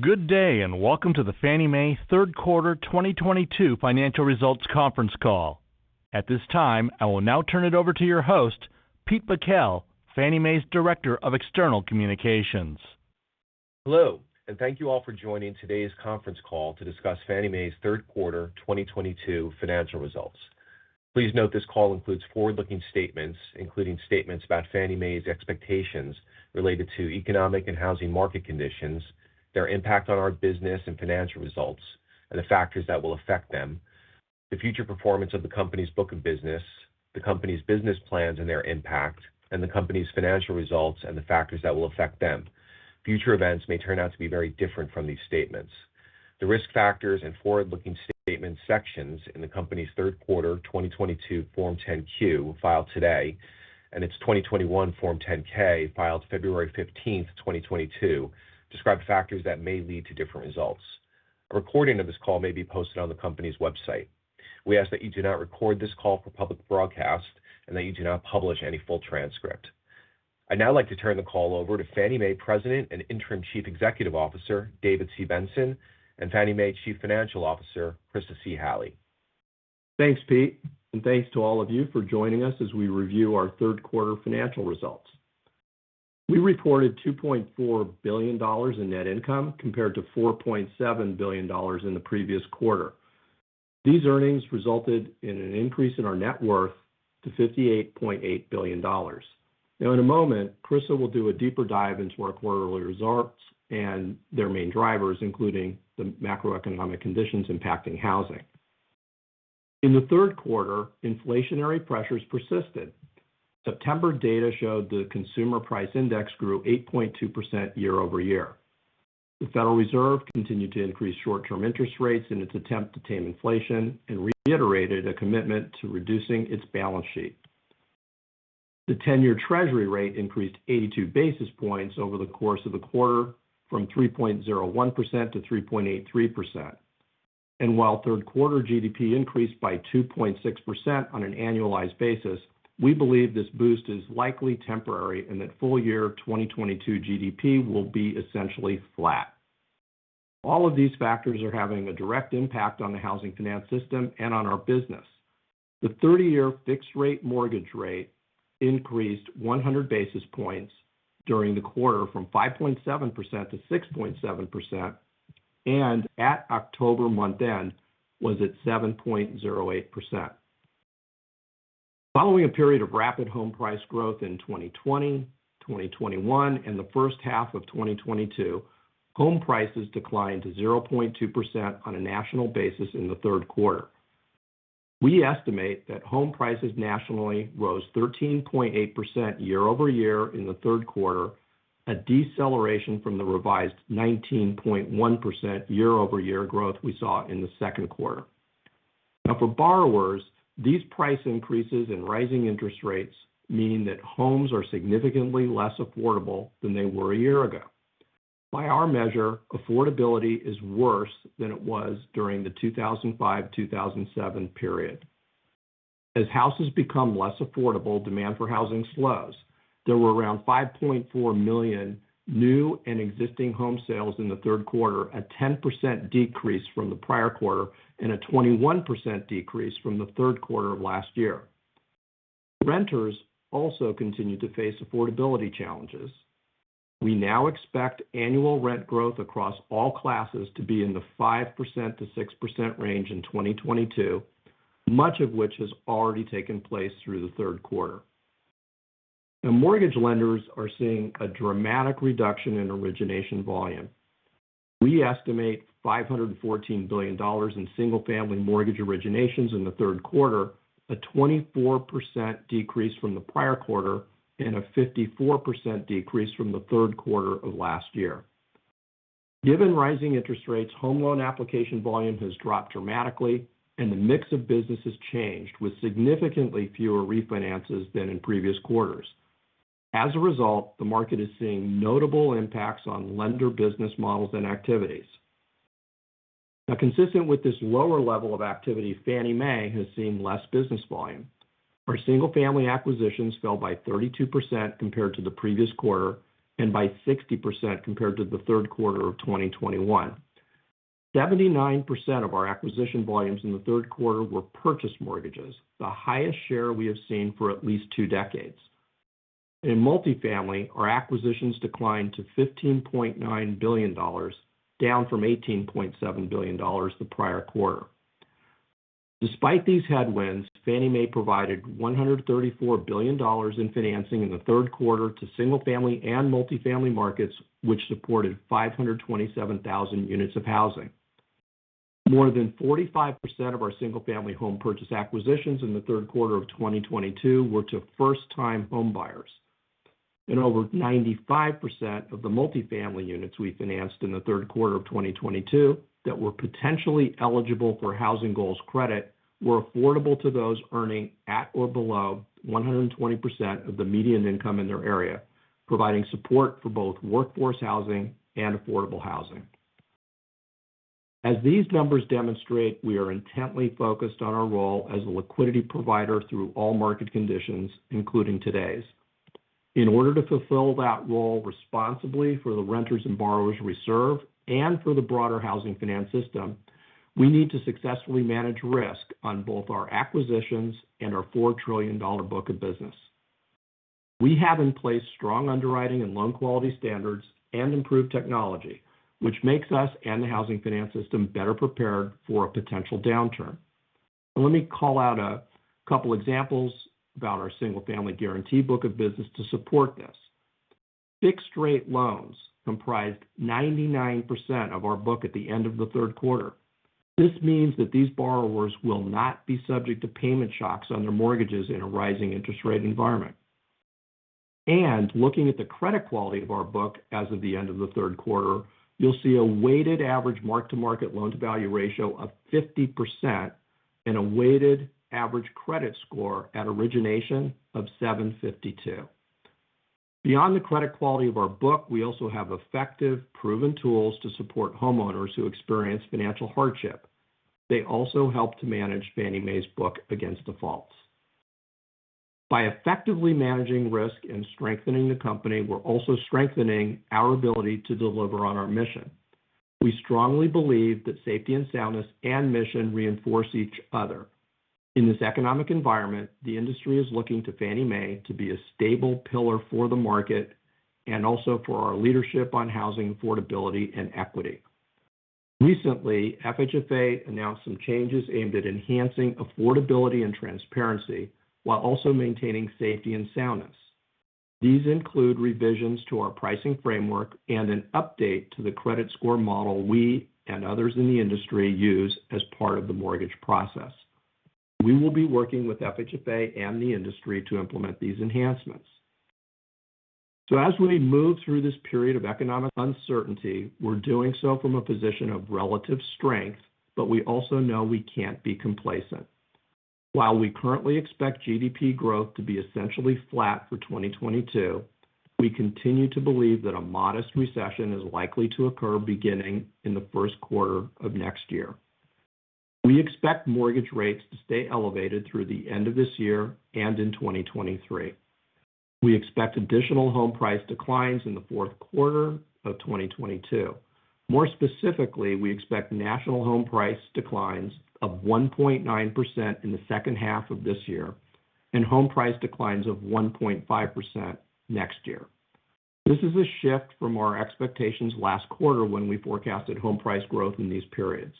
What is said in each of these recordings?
Good day. Welcome to the Fannie Mae third quarter 2022 financial results conference call. At this time, I will now turn it over to your host, Pete Bakel, Fannie Mae's Director of External Communications. Hello. Thank you all for joining today's conference call to discuss Fannie Mae's third quarter 2022 financial results. Please note this call includes forward-looking statements, including statements about Fannie Mae's expectations related to economic and housing market conditions, their impact on our business and financial results, and the factors that will affect them, the future performance of the company's book of business, the company's business plans and their impact, and the company's financial results and the factors that will affect them. Future events may turn out to be very different from these statements. The Risk Factors and Forward-Looking Statements sections in the company's third quarter 2022 Form 10-Q, filed today, and its 2021 Form 10-K, filed February 15th, 2022, describe factors that may lead to different results. A recording of this call may be posted on the company's website. We ask that you do not record this call for public broadcast and that you do not publish any full transcript. I'd now like to turn the call over to Fannie Mae President and Interim Chief Executive Officer, David C. Benson, and Fannie Mae Chief Financial Officer, Chryssa C. Halley. Thanks, Pete. Thanks to all of you for joining us as we review our third quarter financial results. We reported $2.4 billion in net income, compared to $4.7 billion in the previous quarter. These earnings resulted in an increase in our net worth to $58.8 billion. In a moment, Chryssa will do a deeper dive into our quarterly results and their main drivers, including the macroeconomic conditions impacting housing. In the third quarter, inflationary pressures persisted. September data showed the Consumer Price Index grew 8.2% year-over-year. The Federal Reserve continued to increase short-term interest rates in its attempt to tame inflation and reiterated a commitment to reducing its balance sheet. The 10-year Treasury rate increased 82 basis points over the course of the quarter from 3.01% to 3.83%. While third quarter GDP increased by 2.6% on an annualized basis, we believe this boost is likely temporary and that full year 2022 GDP will be essentially flat. All of these factors are having a direct impact on the housing finance system and on our business. The 30-year fixed-rate mortgage rate increased 100 basis points during the quarter from 5.7%-6.7%, and at October month-end was at 7.08%. Following a period of rapid home price growth in 2020, 2021, and the first half of 2022, home prices declined to 0.2% on a national basis in the third quarter. We estimate that home prices nationally rose 13.8% year-over-year in the third quarter, a deceleration from the revised 19.1% year-over-year growth we saw in the second quarter. For borrowers, these price increases and rising interest rates mean that homes are significantly less affordable than they were a year ago. By our measure, affordability is worse than it was during the 2005-2007 period. As houses become less affordable, demand for housing slows. There were around 5.4 million new and existing home sales in the third quarter, a 10% decrease from the prior quarter and a 21% decrease from the third quarter of last year. Renters also continue to face affordability challenges. We now expect annual rent growth across all classes to be in the 5%-6% range in 2022, much of which has already taken place through the third quarter. Mortgage lenders are seeing a dramatic reduction in origination volume. We estimate $514 billion in single-family mortgage originations in the third quarter, a 24% decrease from the prior quarter and a 54% decrease from the third quarter of last year. Given rising interest rates, home loan application volume has dropped dramatically and the mix of business has changed with significantly fewer refinances than in previous quarters. As a result, the market is seeing notable impacts on lender business models and activities. Consistent with this lower level of activity, Fannie Mae has seen less business volume. Our single-family acquisitions fell by 32% compared to the previous quarter and by 60% compared to the third quarter of 2021. 79% of our acquisition volumes in the third quarter were purchase mortgages, the highest share we have seen for at least two decades. In multifamily, our acquisitions declined to $15.9 billion, down from $18.7 billion the prior quarter. Despite these headwinds, Fannie Mae provided $134 billion in financing in the third quarter to single-family and multifamily markets, which supported 527,000 units of housing. More than 45% of our single-family home purchase acquisitions in the third quarter of 2022 were to first-time homebuyers. Over 95% of the multifamily units we financed in the third quarter of 2022 that were potentially eligible for housing goals credit were affordable to those earning at or below 120% of the median income in their area, providing support for both workforce housing and affordable housing. As these numbers demonstrate, we are intently focused on our role as a liquidity provider through all market conditions, including today's. In order to fulfill that role responsibly for the renters and borrowers we serve and for the broader housing finance system, we need to successfully manage risk on both our acquisitions and our $4 trillion book of business. We have in place strong underwriting and loan quality standards and improved technology, which makes us and the housing finance system better prepared for a potential downturn. Let me call out a couple examples about our single-family guarantee book of business to support this. Fixed-rate loans comprised 99% of our book at the end of the third quarter. This means that these borrowers will not be subject to payment shocks on their mortgages in a rising interest rate environment. Looking at the credit quality of our book as of the end of the third quarter, you'll see a weighted average mark-to-market loan-to-value ratio of 50% and a weighted average credit score at origination of 752. Beyond the credit quality of our book, we also have effective, proven tools to support homeowners who experience financial hardship. They also help to manage Fannie Mae's book against defaults. By effectively managing risk and strengthening the company, we're also strengthening our ability to deliver on our mission. We strongly believe that safety and soundness and mission reinforce each other. In this economic environment, the industry is looking to Fannie Mae to be a stable pillar for the market and also for our leadership on housing affordability and equity. Recently, FHFA announced some changes aimed at enhancing affordability and transparency while also maintaining safety and soundness. These include revisions to our pricing framework and an update to the credit score model we and others in the industry use as part of the mortgage process. We will be working with FHFA and the industry to implement these enhancements. As we move through this period of economic uncertainty, we're doing so from a position of relative strength, but we also know we can't be complacent. While we currently expect GDP growth to be essentially flat for 2022, we continue to believe that a modest recession is likely to occur beginning in the first quarter of next year. We expect mortgage rates to stay elevated through the end of this year and in 2023. We expect additional home price declines in the fourth quarter of 2022. More specifically, we expect national home price declines of 1.9% in the second half of this year and home price declines of 1.5% next year. This is a shift from our expectations last quarter when we forecasted home price growth in these periods.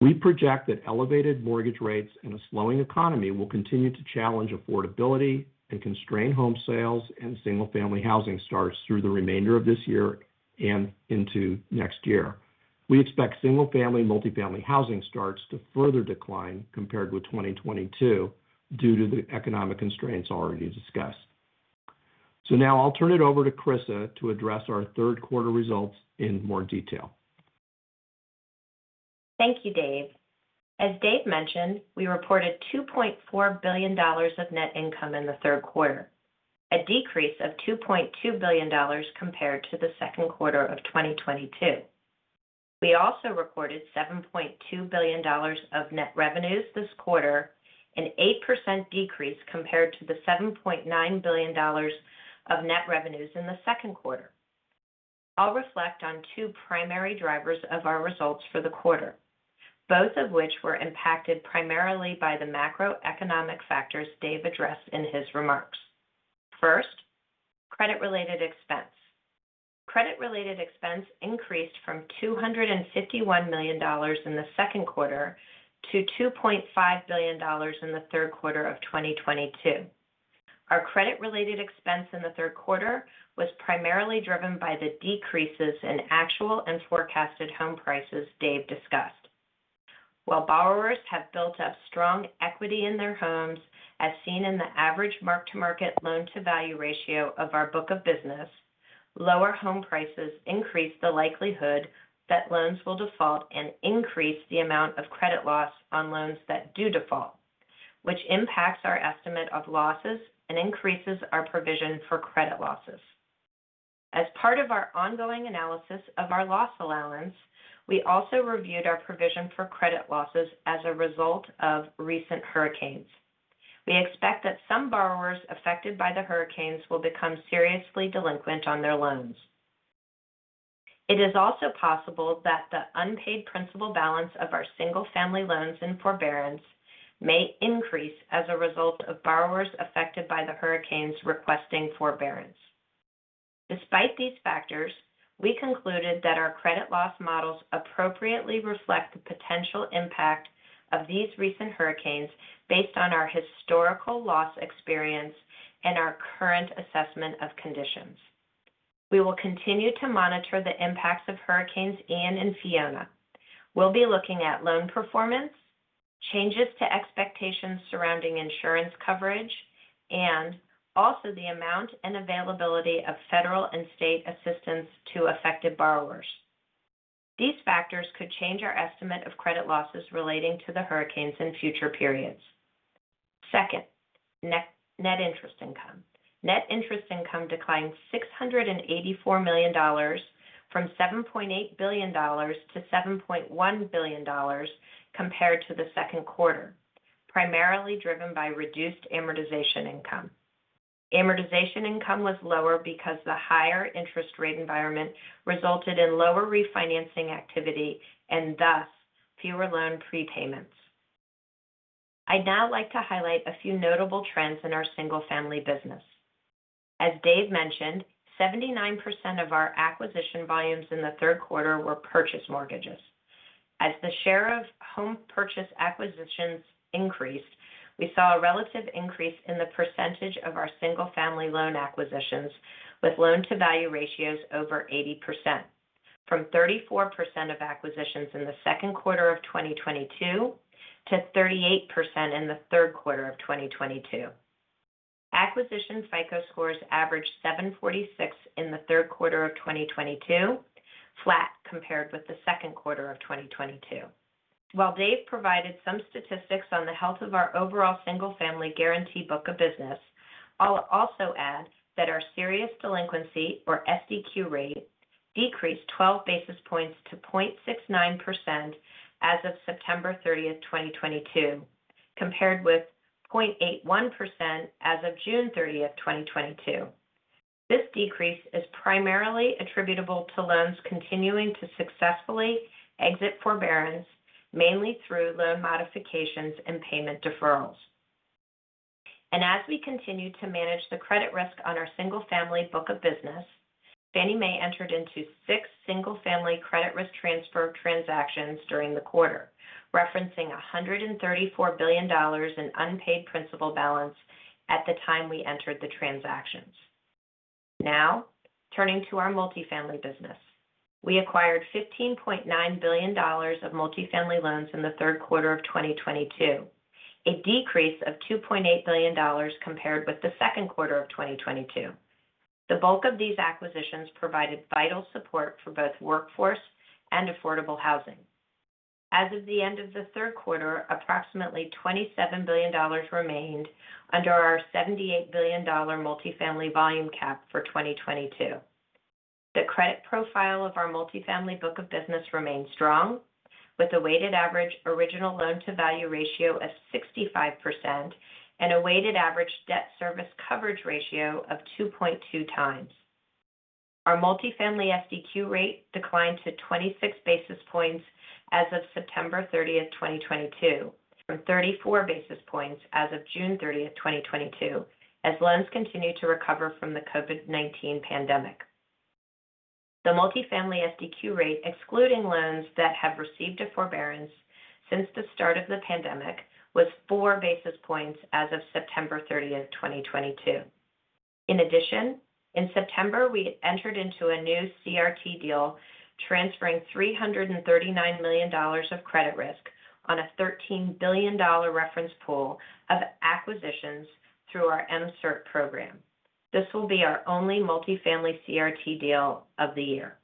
We project that elevated mortgage rates and a slowing economy will continue to challenge affordability and constrain home sales and single-family housing starts through the remainder of this year and into next year. We expect single family, multifamily housing starts to further decline compared with 2022 due to the economic constraints already discussed. Now I'll turn it over to Chryssa to address our third quarter results in more detail. Thank you, Dave. As Dave mentioned, we reported $2.4 billion of net income in the third quarter, a decrease of $2.2 billion compared to the second quarter of 2022. We also recorded $7.2 billion of net revenues this quarter, an 8% decrease compared to the $7.9 billion of net revenues in the second quarter. I'll reflect on two primary drivers of our results for the quarter, both of which were impacted primarily by the macroeconomic factors Dave addressed in his remarks. First, credit-related expense. Credit-related expense increased from $251 million in the second quarter to $2.5 billion in the third quarter of 2022. Our credit-related expense in the third quarter was primarily driven by the decreases in actual and forecasted home prices Dave discussed. While borrowers have built up strong equity in their homes, as seen in the average mark-to-market loan-to-value ratio of our book of business, lower home prices increase the likelihood that loans will default and increase the amount of credit loss on loans that do default, which impacts our estimate of losses and increases our provision for credit losses. As part of our ongoing analysis of our loss allowance, we also reviewed our provision for credit losses as a result of recent hurricanes. We expect that some borrowers affected by the hurricanes will become seriously delinquent on their loans. It is also possible that the unpaid principal balance of our single-family loans in forbearance may increase as a result of borrowers affected by the hurricanes requesting forbearance. Despite these factors, we concluded that our credit loss models appropriately reflect the potential impact of these recent hurricanes based on our historical loss experience and our current assessment of conditions. We will continue to monitor the impacts of Hurricanes Ian and Fiona. We'll be looking at loan performance, changes to expectations surrounding insurance coverage, and also the amount and availability of federal and state assistance to affected borrowers. These factors could change our estimate of credit losses relating to the hurricanes in future periods. Second, net interest income. Net interest income declined $684 million from $7.8 billion to $7.1 billion compared to the second quarter, primarily driven by reduced amortization income. Amortization income was lower because the higher interest rate environment resulted in lower refinancing activity and thus fewer loan prepayments. I'd now like to highlight a few notable trends in our single-family business. As Dave mentioned, 79% of our acquisition volumes in the third quarter were purchase mortgages. As the share of home purchase acquisitions increased, we saw a relative increase in the percentage of our single-family loan acquisitions with loan-to-value ratios over 80%, from 34% of acquisitions in the second quarter of 2022 to 38% in the third quarter of 2022. Acquisition FICO scores averaged 746 in the third quarter of 2022, flat compared with the second quarter of 2022. While Dave provided some statistics on the health of our overall single-family guarantee book of business, I'll also add that our serious delinquency, or SDQ rate, decreased 12 basis points to 0.69% as of September 30th, 2022, compared with 0.81% as of June 30th, 2022. This decrease is primarily attributable to loans continuing to successfully exit forbearance, mainly through loan modifications and payment deferrals. As we continue to manage the credit risk on our single-family book of business, Fannie Mae entered into six single-family credit risk transfer transactions during the quarter, referencing $134 billion in unpaid principal balance at the time we entered the transactions. Turning to our multifamily business. We acquired $15.9 billion of multifamily loans in the third quarter of 2022, a decrease of $2.8 billion compared with the second quarter of 2022. The bulk of these acquisitions provided vital support for both workforce and affordable housing. As of the end of the third quarter, approximately $27 billion remained under our $78 billion multifamily volume cap for 2022. The credit profile of our multifamily book of business remains strong, with a weighted average original loan-to-value ratio of 65% and a weighted average debt service coverage ratio of 2.2 times. Our multifamily SDQ rate declined to 26 basis points as of September 30th, 2022, from 34 basis points as of June 30th, 2022, as loans continue to recover from the COVID-19 pandemic. The multifamily SDQ rate, excluding loans that have received a forbearance since the start of the pandemic, was four basis points as of September 30th, 2022. In September, we entered into a new CRT deal transferring $339 million of credit risk on a $13 billion reference pool of acquisitions through our MCIRT program. This will be our only multifamily CRT deal of the year.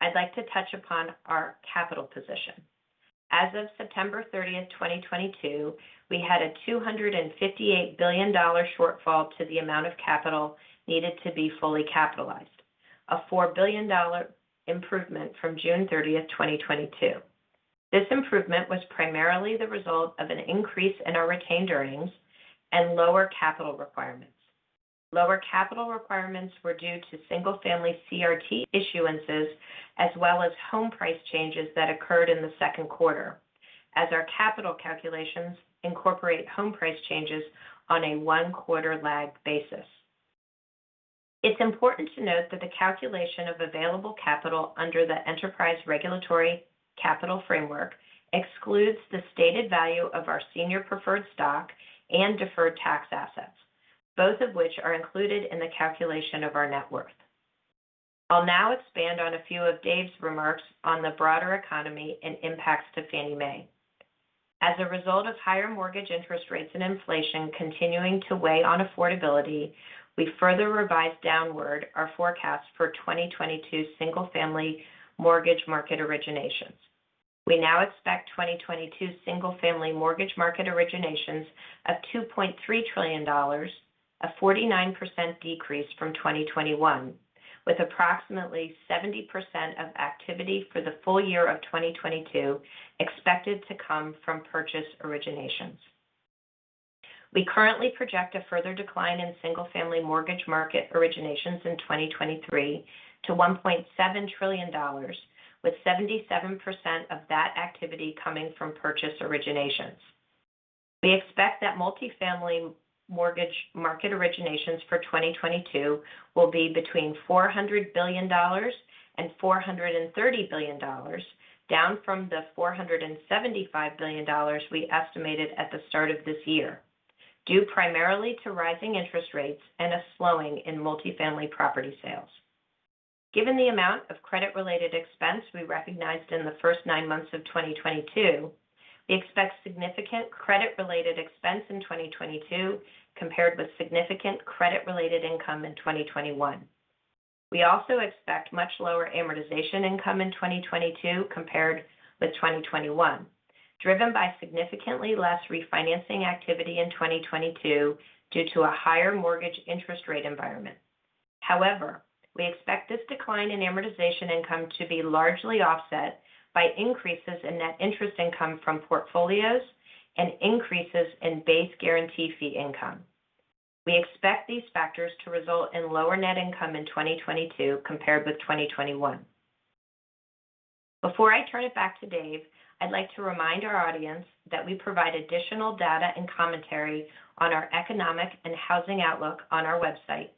I'd like to touch upon our capital position. As of September 30th, 2022, we had a $258 billion shortfall to the amount of capital needed to be fully capitalized, a $4 billion improvement from June 30th, 2022. This improvement was primarily the result of an increase in our retained earnings and lower capital requirements. Lower capital requirements were due to single-family CRT issuances as well as home price changes that occurred in the second quarter, as our capital calculations incorporate home price changes on a one-quarter lagged basis. It's important to note that the calculation of available capital under the enterprise regulatory capital framework excludes the stated value of our senior preferred stock and deferred tax assets, both of which are included in the calculation of our net worth. I'll now expand on a few of Dave's remarks on the broader economy and impacts to Fannie Mae. As a result of higher mortgage interest rates and inflation continuing to weigh on affordability, we further revised downward our forecast for 2022 single-family mortgage market originations. We now expect 2022 single-family mortgage market originations of $2.3 trillion, a 49% decrease from 2021, with approximately 70% of activity for the full year of 2022 expected to come from purchase originations. We currently project a further decline in single-family mortgage market originations in 2023 to $1.7 trillion, with 77% of that activity coming from purchase originations. We expect that multifamily mortgage market originations for 2022 will be between $400 billion and $430 billion, down from the $475 billion we estimated at the start of this year, due primarily to rising interest rates and a slowing in multifamily property sales. Given the amount of credit-related expense we recognized in the first nine months of 2022, we expect significant credit-related expense in 2022 compared with significant credit-related income in 2021. We also expect much lower amortization income in 2022 compared with 2021, driven by significantly less refinancing activity in 2022 due to a higher mortgage interest rate environment. However, we expect this decline in amortization income to be largely offset by increases in net interest income from portfolios and increases in base guarantee fee income. We expect these factors to result in lower net income in 2022 compared with 2021. Before I turn it back to Dave, I'd like to remind our audience that we provide additional data and commentary on our economic and housing outlook on our website.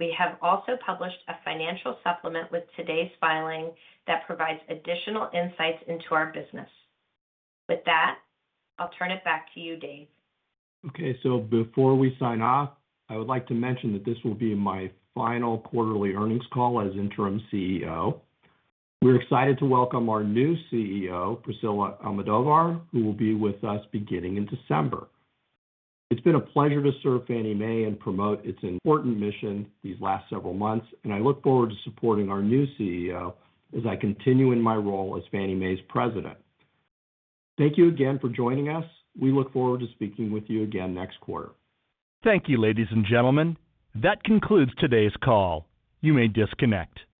We have also published a financial supplement with today's filing that provides additional insights into our business. With that, I'll turn it back to you, Dave. Okay. Before we sign off, I would like to mention that this will be my final quarterly earnings call as interim CEO. We're excited to welcome our new CEO, Priscilla Almodovar, who will be with us beginning in December. It's been a pleasure to serve Fannie Mae and promote its important mission these last several months, and I look forward to supporting our new CEO as I continue in my role as Fannie Mae's President. Thank you again for joining us. We look forward to speaking with you again next quarter. Thank you, ladies and gentlemen. That concludes today's call. You may disconnect.